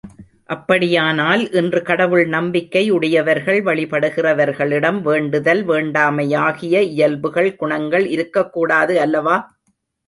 அப்படியானால் இன்று கடவுள் நம்பிக்கை உடையவர்கள் வழிபடுகிறவர்களிடம் வேண்டுதல், வேண்டாமையாகிய இயல்புகள் குணங்கள் இருக்கக்கூடாது அல்லவா?